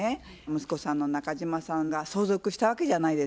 息子さんの中島さんが相続したわけじゃないですか。